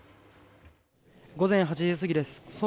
午前８時過ぎです。